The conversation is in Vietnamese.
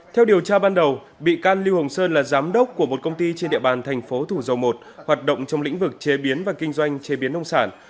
theo điều tra ban đầu bị can lưu hồng sơn là giám đốc của một công ty trên địa bàn thành phố thủ dầu một hoạt động trong lĩnh vực chế biến và kinh doanh chế biến nông sản